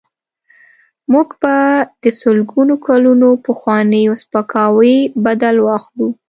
موږ به د سلګونو کلونو پخواني سپکاوي بدل واخلو.